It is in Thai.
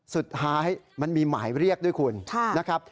สุดท้ายมันมีหมายเรียกด้วยคุณนะครับ